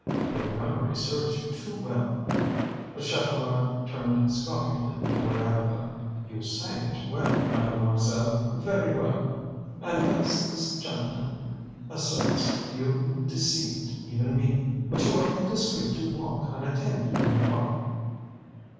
"Your memory serves you too well." But Chatelard turned scoffingly toward Agatha. "You sang it well, Mademoiselle, very well. And, as this gentleman asserts, you deceived even me. But you are indiscreet to walk unattended in the park."